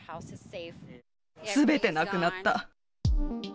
すべてなくなった。